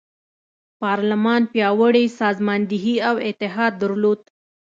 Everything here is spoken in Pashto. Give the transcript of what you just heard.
پارلمان پیاوړې سازماندهي او اتحاد درلود.